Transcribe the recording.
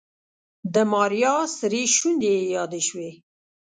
د ماريا سرې شونډې يې يادې شوې.